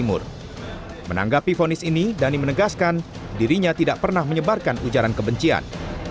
menanggapi fonis ini dhani menegaskan dirinya tidak pernah menyebarkan ujaran kebencian